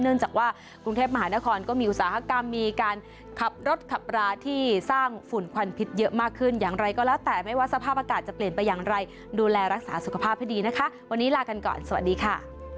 เนื่องจากว่ากรุงเทพมหานครก็มีอุตสาหกรรมมีการขับรถขับราที่สร้างฝุ่นควันพิษเยอะมากขึ้นอย่างไรก็แล้วแต่ไม่ว่าสภาพอากาศจะเปลี่ยนไปอย่างไรดูแลรักษาสุขภาพให้ดีนะคะวันนี้ลากันก่อนสวัสดีค่ะ